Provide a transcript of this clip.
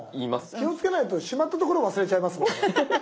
気をつけないとしまった所を忘れちゃいますもんね。